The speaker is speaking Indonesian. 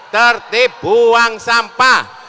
tertib buang sampah